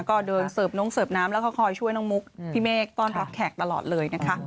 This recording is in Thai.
ก็เดินเสิร์ฟน้องเสิร์ฟน้ำแล้วก็คอยช่วยน้องมุกพี่เมฆต้อนรับแขกตลอดเลยนะคะ